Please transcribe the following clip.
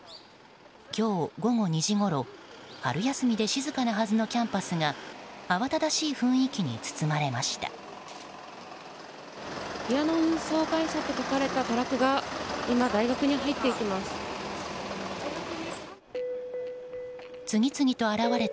今日午後２時ごろ、春休みで静かなはずのキャンパスがあわただしい雰囲気に包まれました。